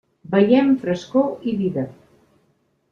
Veiem frescor i vida.